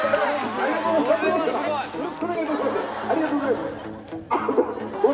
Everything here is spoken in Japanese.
ありがとうございます。